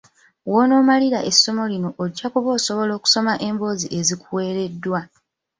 W'onaamalirako essomo lino ojja kuba osobola okusoma emboozi ezikuweereddwa.